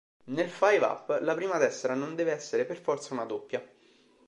Nel Five Up la prima tessera non deve essere per forza una doppia.